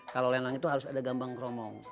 kalau lenang itu harus ada gambang kromong